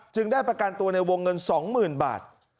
ได้ประกันตัวในวงเงิน๒๐๐๐บาท